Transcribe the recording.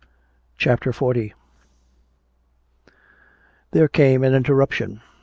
CHAPTER XL There came an interruption.